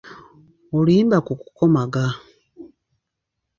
Oluyimba ku kukomaga.